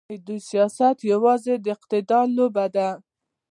د دوی سیاست یوازې د اقتدار لوبه ده.